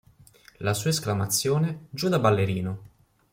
La sua esclamazione "Giuda ballerino!